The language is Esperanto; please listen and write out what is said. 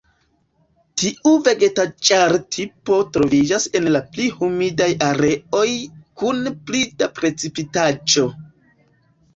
Tiu vegetaĵar-tipo troviĝas en la pli humidaj areoj kun pli da precipitaĵo.